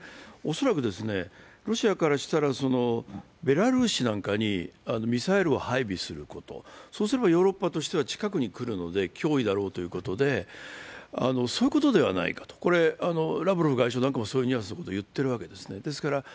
恐らくロシアからしたらベラルーシなんかにミサイルを配備すること、そうすればヨーロッパとしては近くになるので脅威だろうということで、そういうことではないか、ラブロフ外相なんかもそういうニュアンスのことを言っているんですね。